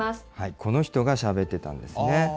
この人がしゃべってたんですね。